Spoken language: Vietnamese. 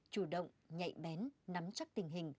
chủ động nhạy bén nắm chắc tình hình